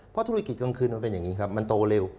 เพราะธุรกิจกลางคืนมันเป็นอย่างนี้ครับมันโตเร็ว